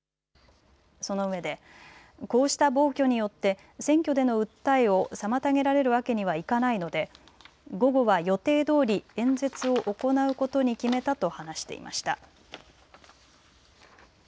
そのうえでこうした暴挙によって選挙での訴えを妨げられるわけにはいかないので午後は予定どおり演説を行うことに決めたと話していました。